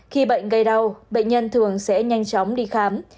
khi bệnh gây đau bệnh nhân thường sẽ nhanh chóng đi khám